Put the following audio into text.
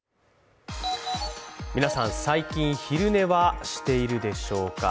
皆さん、最近昼寝はしているでしょうか。